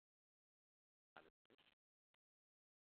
Alles frisch?